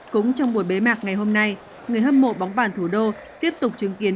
cũng trong buổi bế mạc ngày hôm nay người hâm mộ bóng bàn thủ đô tiếp tục chứng kiến